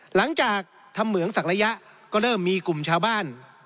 หลังจากทำเหมืองสักระยะก็เริ่มมีกลุ่มชาวบ้าน